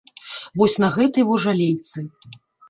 Вось на гэтай во жалейцы.